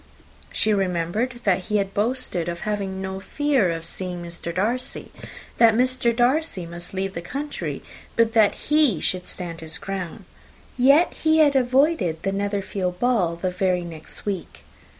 She remembered that he had boasted of having no fear of seeing Mr. Darcy that Mr. Darcy might leave the country, but that he should stand his ground; yet he had avoided the Netherfield ball the very next week.